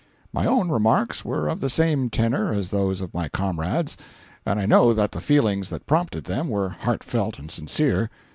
My own remarks were of the same tenor as those of my comrades, and I know that the feelings that prompted them were heartfelt and sincere.